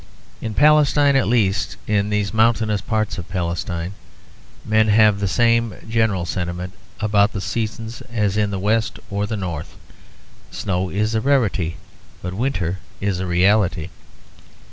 In Palestine, at least in these mountainous parts of Palestine, men have the same general sentiment about the seasons as in the West or the North. Snow is a rarity, but winter is a reality.